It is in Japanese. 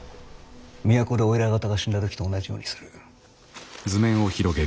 都でお偉方が死んだ時と同じようにする。